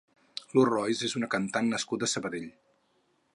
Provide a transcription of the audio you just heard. Lu Rois és una cantant nascuda a Sabadell.